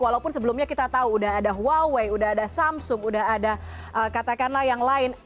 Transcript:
walaupun sebelumnya kita tahu udah ada huawei udah ada samsung udah ada katakanlah yang lain